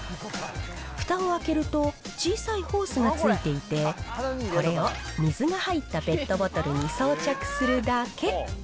ふたを開けると、小さいホースがついていて、これを水が入ったペットボトルに装着するだけ。